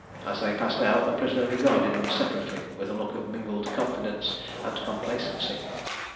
As they passed out, the prisoner regarded them separately with a look of mingled confidence and complacency.